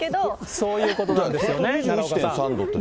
そういうことなんですよね、奈良岡さん。